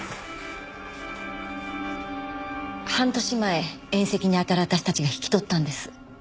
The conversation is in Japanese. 半年前遠戚にあたる私たちが引き取ったんです。